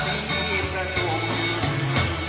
โปรดติดตามตอนต่อไป